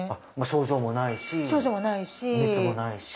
症状もないし熱もないし？